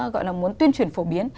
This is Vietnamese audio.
gọi là muốn tuyên truyền phổ biến